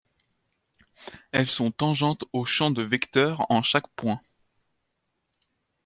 Elles sont tangentes au champ de vecteurs en chaque point.